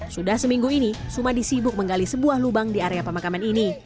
sudah seminggu ini sumadi sibuk menggali sebuah lubang di area pemakaman ini